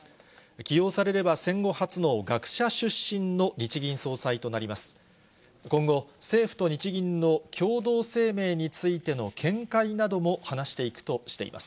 起用されれば戦後初の学者出身の日銀総裁となります。